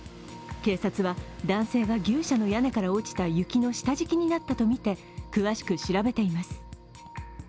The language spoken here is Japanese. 警察は男性が牛舎の屋根から落ちた雪の下敷きになったとみて詳しく調べています。